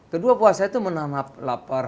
kedua puasa itu menanam lapar